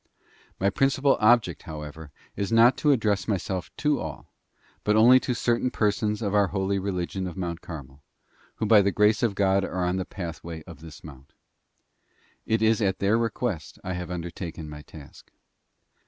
My principal object, however, is not to address myself to all, but only to certain persons of our holy religion of Mount Carmel, who by the grace of God are on the pathway of this mount. It is at their request I have undertaken my task.